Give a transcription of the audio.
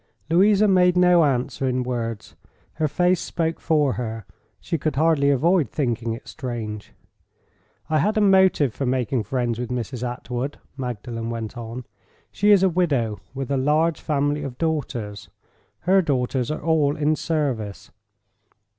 Louisa made no answer in words. Her face spoke for her: she could hardly avoid thinking it strange. "I had a motive for making friends with Mrs. Attwood," Magdalen went on. "She is a widow, with a large family of daughters. Her daughters are all in service.